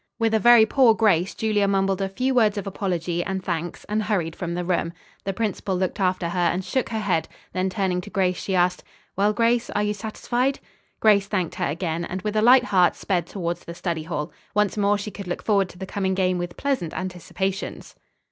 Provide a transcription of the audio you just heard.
With a very poor grace, Julia mumbled a few words of apology and thanks and hurried from the room. The principal looked after her and shook her head, then turning to Grace, she asked, "Well, Grace, are you satisfied?" Grace thanked her again, and with a light heart sped towards the study hall. Once more she could look forward to the coming game with pleasant anticipations.